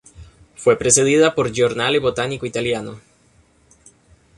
Fue precedida por "Giornale Botanico Italiano".